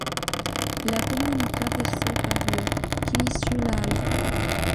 La commune est traversée par le Crișul Alb.